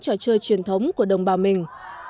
trò chơi truyền thống của đồng bào mình